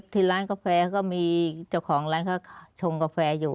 ที่ร้านกาแฟก็มีเจ้าของร้านเขาชงกาแฟอยู่